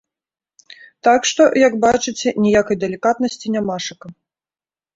Так што, як бачыце, ніякай далікатнасці нямашака.